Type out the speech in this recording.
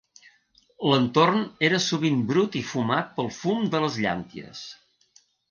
L'entorn era sovint brut i fumat pel fum de les llànties.